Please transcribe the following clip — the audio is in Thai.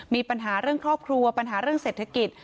มีปัญหาเรื่องครอบครัวปัญหาเรื่องเศรษฐกิจ